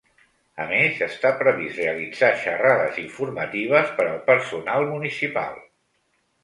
A més, està previst realitzar xarrades informatives per al personal municipal.